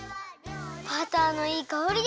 バターのいいかおりです。